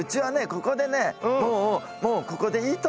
ここでねもうもうここでいいと。